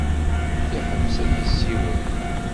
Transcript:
Yeḥbes ad yessiwel.